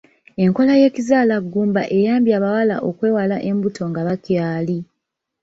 Enkola y'ekizaala ggumba eyambye abawala okwewala embuto nga bakyaali.